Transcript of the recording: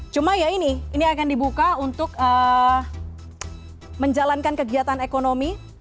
cuma ya ini ini akan dibuka untuk menjalankan kegiatan ekonomi